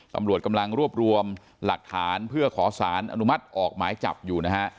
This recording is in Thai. ตำรวจกำลังรวบรวมหลักฐานเพื่อขอสารอนุมัติออกหมายจับอยู่นะฮะ